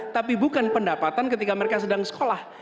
tapi bukan pendapatan ketika mereka sedang sekolah